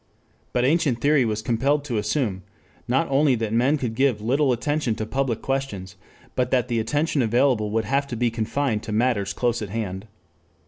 But ancient theory was compelled to assume, not only that men could give little attention to public questions, but that the attention available would have to be confined to matters close at hand.